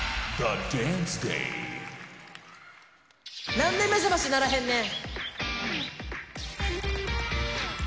なんで目覚まし鳴らへんねん。